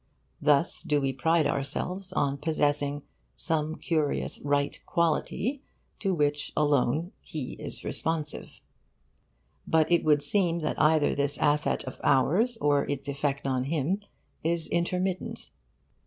Thus do we pride ourselves on possessing some curious right quality to which alone he is responsive. But it would seem that either this asset of ours or its effect on him is intermittent.